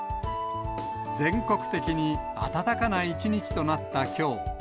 全国的に暖かな一日となったきょう。